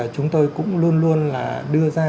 chúng tôi cũng luôn luôn là đưa ra